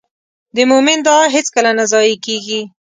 د مؤمن دعا هېڅکله نه ضایع کېږي.